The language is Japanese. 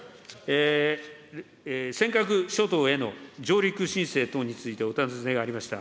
尖閣諸島への上陸申請等についてお尋ねがありました。